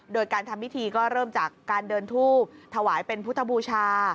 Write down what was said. โดยการทำพิธีก็เริ่มจากการเดินทูบถวายเป็นพุทธบูชา